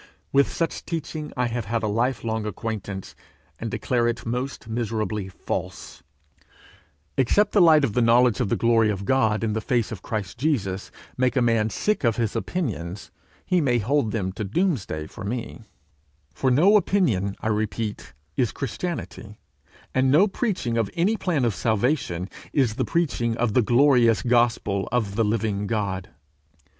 With such teaching I have had a lifelong acquaintance, and declare it most miserably false. But I do not now mean to dispute against it; except the light of the knowledge of the glory of God in the face of Christ Jesus make a man sick of his opinions, he may hold them to doomsday for me; for no opinion, I repeat, is Christianity, and no preaching of any plan of salvation is the preaching of the glorious gospel of the living God.